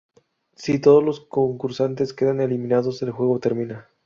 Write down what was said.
Si todos los concursantes quedan eliminados el juego termina.